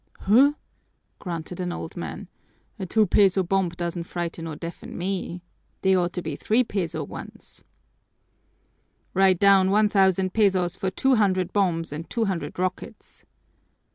"Huh!" grunted an old man, "a two peso bomb doesn't frighten or deafen me! They ought to be three peso ones." "Write down one thousand pesos for two hundred bombs and two hundred rockets."